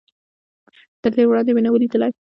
تر دې وړاندې مې نه و ليدلی.